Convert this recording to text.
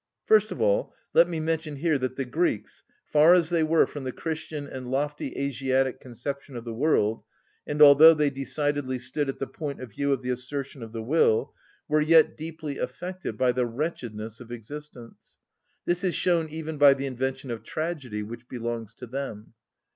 First of all, let me mention here that the Greeks, far as they were from the Christian and lofty Asiatic conception of the world, and although they decidedly stood at the point of view of the assertion of the will, were yet deeply affected by the wretchedness of existence. This is shown even by the invention of tragedy, which belongs to them.